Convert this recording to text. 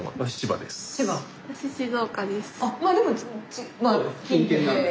あっまあでもまあ近辺で。